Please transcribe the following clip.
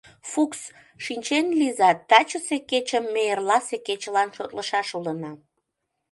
— Фукс, шинчен лийза, тачысе кечым ме эрласе кечылан шотлышаш улына.